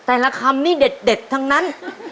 แต่ละคำนี่เด็ดทั้งนั้น